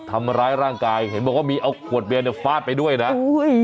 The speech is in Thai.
ทำร้ายร่างกายเห็นบอกว่ามีเอาขวดเบียนเนี่ยฟาดไปด้วยนะอุ้ย